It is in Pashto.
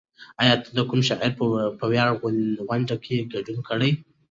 ایا ته د کوم شاعر په ویاړ غونډه کې ګډون کړی؟